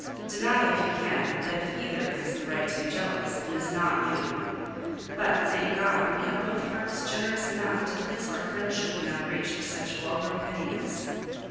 Deny, if you can, that if either has the right to be jealous, it is not you. But, thank God, we have both hearts generous enough to place our friendship beyond reach of such vulgar pettiness.